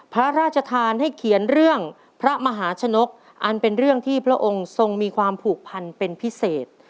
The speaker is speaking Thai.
พระราชทานให้เขียนเรื่องพระมหาชนกอันเป็นเรื่องที่พระองค์ทรงมีความผูกพันเป็นพิเศษ